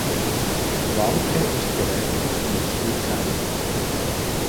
Wanke ist gelernter Industriekaufmann.